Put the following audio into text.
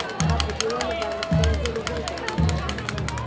ما په دې ونې باندې خپلې ټولې هیلې تړلې وې.